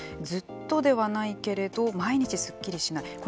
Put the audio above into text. ずっとではないけれど毎日すっきりしない。